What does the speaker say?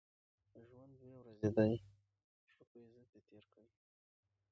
ژوند دوې ورځي دئ، ښه په عزت ئې تېر کئ!